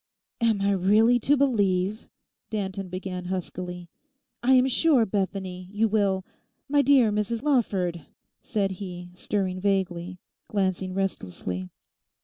'Am I really to believe,' Danton began huskily. 'I am sure, Bethany, you will—My dear Mrs Lawford!' said he, stirring vaguely, glancing restlessly.